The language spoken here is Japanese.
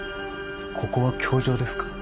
ここは教場ですか？